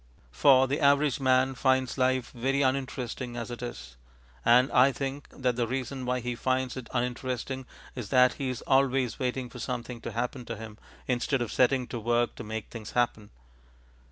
For the average man finds life very uninteresting as it is. And I think that the reason why he finds it uninteresting is that he is always waiting for something to happen to him instead of setting to work to make things happen.